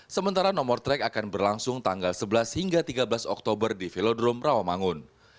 sementara nomor track akan berlangsung tanggal sebelas hingga tiga belas oktober di velodrome rawamangun